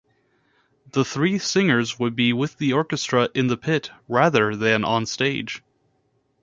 The three singers would be with the orchestra in the pit, rather than onstage.